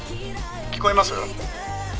聞こえます？」